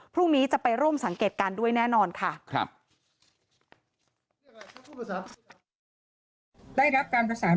พรุ่งนี้จะไปร่วมสังเกตการด้วยแน่นอนค่ะได้รับการผสาน